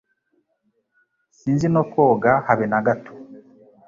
Sinzi no koga habe nagato